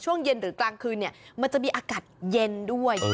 ช่วงเย็นหรือกลางคืนมันจะมีอากาศเย็นด้วย